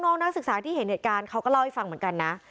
นักศึกษาที่เห็นเหตุการณ์เขาก็เล่าให้ฟังเหมือนกันนะ